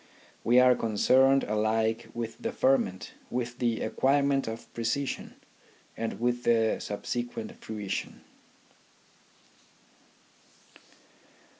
We are concerned alike with the ferment, with the acquirement of precision, and with the subsequent fruition.